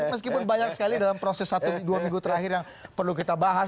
meskipun banyak sekali dalam proses satu dua minggu terakhir yang perlu kita bahas